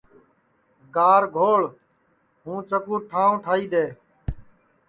گر گھوݪ ہوں چکُو ٹھانٚو ٹھائی دؔے